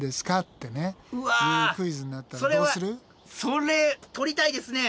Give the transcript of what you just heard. それ取りたいですね。